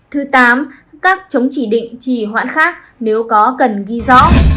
thứ tám các chống chỉ định chỉ hoãn khác nếu có cần ghi rõ